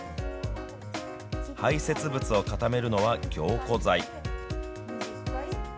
排せつ物を固めるのは凝固剤。